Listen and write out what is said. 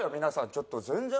ちょっと全然。